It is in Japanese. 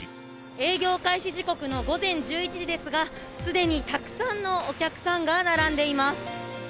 営業開始時刻の午前１１時ですが、すでにたくさんのお客さんが並んでいます。